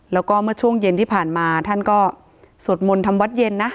แล้วก็เมื่อช่วงเย็นที่ผ่านมาท่านก็สวดมนต์ทำวัดเย็นนะ